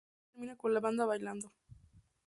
El video termina con la banda bailando.